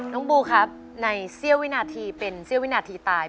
บูครับในเสี้ยววินาทีเป็นเสี้ยววินาทีตาย